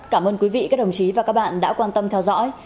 cảm ơn quý vị các đồng chí và các bạn đã quan tâm theo dõi